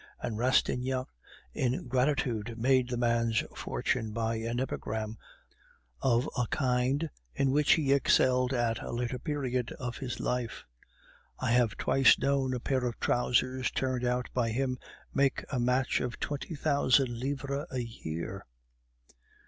And Rastignac in gratitude made the man's fortune by an epigram of a kind in which he excelled at a later period of his life. "I have twice known a pair of trousers turned out by him make a match of twenty thousand livres a year!"